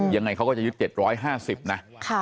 ยังไงเขาก็จะยึด๗๕๐นะ